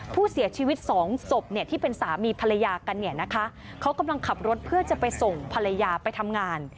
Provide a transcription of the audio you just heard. ผู้เสียชีวิตสองศพเนี่ยที่เป็นสามีภรรยากันเนี่ยนะคะเขากำลังขับรถเพื่อจะไปส่งภรรยาไปทำงาน